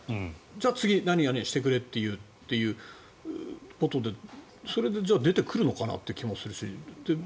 じゃあ、次何々してくれということでそれでじゃあ、出てくるのかなという気もするし。